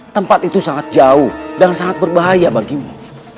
tempat itu sangat jauh dan sangat berbahaya bagimu